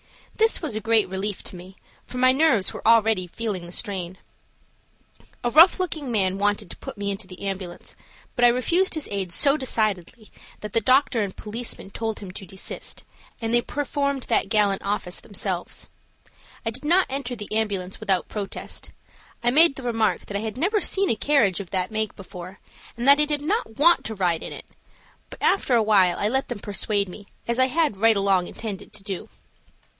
This was a great relief to me, for my nerves were already feeling the strain. A rough looking man wanted to put me into the ambulance, but I refused his aid so decidedly that the doctor and policeman told him to desist, and they performed that gallant office themselves. I did not enter the ambulance without protest. I made the remark that I had never seen a carriage of that make before, and that I did not want to ride in it, but after awhile I let them persuade me, as I had right along intended to do.